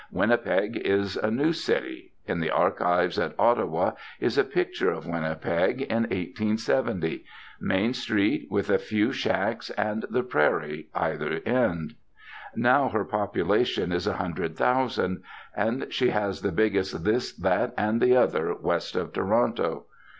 Winnipeg is a new city. In the archives at Ottawa is a picture of Winnipeg in 1870 Main street, with a few shacks, and the prairie either end. Now her population is a hundred thousand, and she has the biggest this, that, and the other west of Toronto.